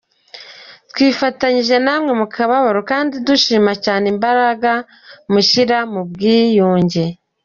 Twifatanyije namwe mu kababaro kandi dushima cyane imbaraga mushyira mu bwiyunge.